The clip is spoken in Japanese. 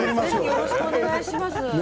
よろしくお願いします。